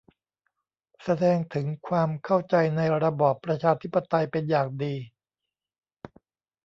แสดงถึงความเข้าใจในระบอบประชาธิปไตยเป็นอย่างดี